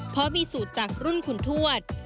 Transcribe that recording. เพราะมีสูตรจากรุ่นคุณทวด